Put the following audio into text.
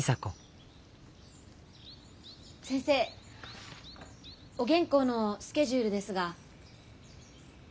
先生お原稿のスケジュールですが。